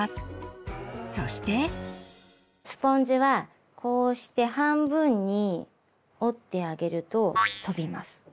スポンジはこうして半分に折ってあげると飛びます。